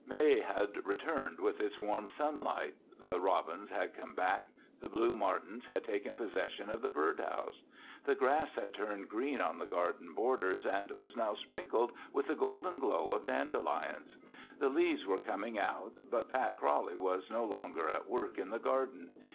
May had returned with its warm sunlight. The robins had come back. The blue martins had taken possession of the bird house. The grass had turned green on the garden borders and was now sprinkled with the golden glow of dandelions. The leaves were coming but Pat Crowley was no longer at work in the garden.